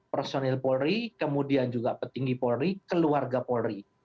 personil polri kemudian juga petinggi polri keluarga polri